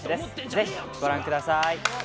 ぜひご覧ください。